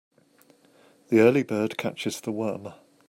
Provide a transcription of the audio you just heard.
The early bird catches the worm.